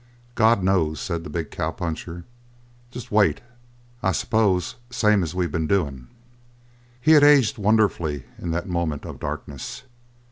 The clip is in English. "God knows," said the big cowpuncher. "Just wait, I s'pose, same as we've been doing." He had aged wonderfully in that moment of darkness.